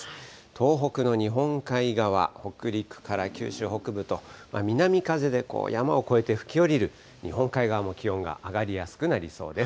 東北の日本海側、北陸から九州北部と、南風で山を越えて吹きおりる日本海側も気温が上がりやすくなりそうです。